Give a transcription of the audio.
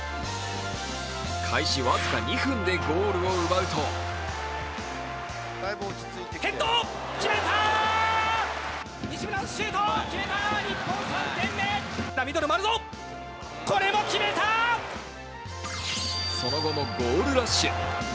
開始僅か２分でゴールを奪うとその後もゴールラッシュ。